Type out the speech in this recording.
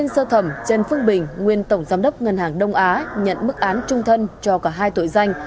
sơ thẩm trần phương bình nguyên tổng giám đốc ngân hàng đông á nhận mức án trung thân cho cả hai tội danh